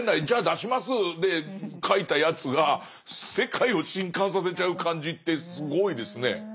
じゃあ出しますで書いたやつが世界を震撼させちゃう感じってすごいですね。